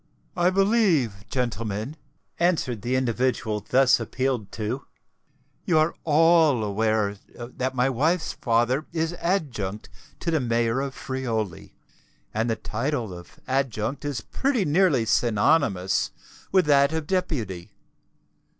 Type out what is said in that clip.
"I believe, gentlemen," answered the individual thus appealed to, "you are all aware that my wife's father is Adjunct to the Mayor of Friuli; and the title of Adjunct is pretty nearly synonymous with that of Deputy.